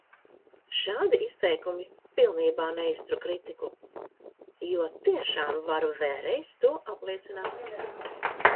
Šādi izteikumi pilnībā neiztur kritiku, jo – tiešām, varu vēlreiz to apliecināt!